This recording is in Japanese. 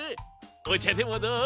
おちゃでもどう？